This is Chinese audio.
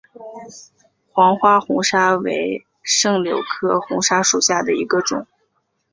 黄花红砂为柽柳科红砂属下的一个种。